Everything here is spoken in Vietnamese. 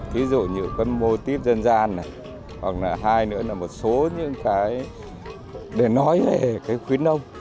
ví dụ như cái mô típ dân gian này hoặc là hai nữa là một số những cái để nói về cái khuyến nông